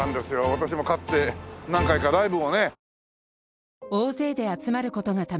私もかつて何回かライブをね。